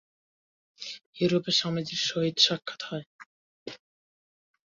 ইউরোপে স্বামীজীর সহিত সাক্ষাৎ হয়।